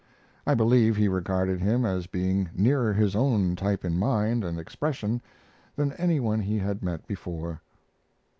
I believe he regarded him as being nearer his own type in mind and expression than any one he had met before.